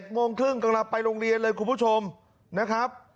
โมงครึ่งกำลังไปโรงเรียนเลยคุณผู้ชมนะครับ